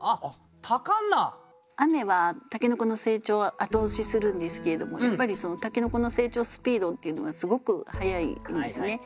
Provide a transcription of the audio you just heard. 雨は筍の成長を後押しするんですけれどもやっぱりその筍の成長スピードっていうのはすごく速いんですね。